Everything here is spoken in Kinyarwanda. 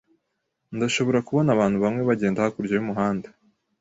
Ndashobora kubona abantu bamwe bagenda hakurya y'umuhanda.